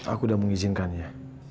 aku udah mengizinkannya